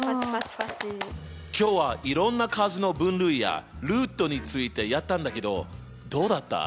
今日はいろんな数の分類やルートについてやったんだけどどうだった？